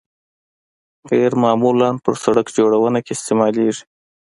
قیر معمولاً په سرک جوړونه کې استعمالیږي